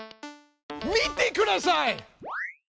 見てください！